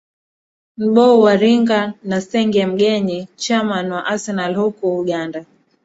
nbow uwairinga na senge mngenyi chairman wa arsenal huku uganda